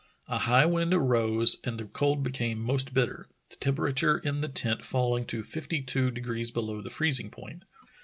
A high wind arose and the cold became most bitter, the temperature in the tent falling to fifty two degrees below the freezing point.